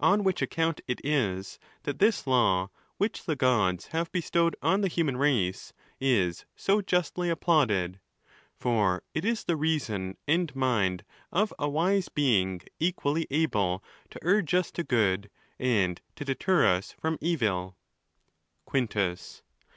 On which account it is, that this law, which the Gods have bestowed on the human race, is so justly applauded. For it is the reason and mind of a wise Being equally able to urge us to good and to deter us from evil. Quintus.